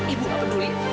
ibu gak peduli